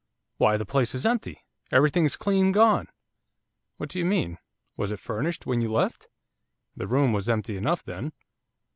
Why, the place is empty, everything's clean gone!' 'What do you mean? was it furnished when you left?' The room was empty enough then.